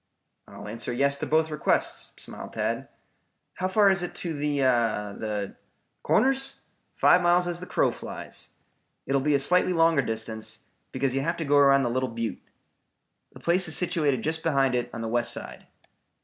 "I'll answer yes to both, requests," smiled Tad. "How far is it to the the " "Corners? Five miles as the crow flies. It will be a slightly longer distance, because you have to go around the Little Butte. The place is situated just behind it on the west side."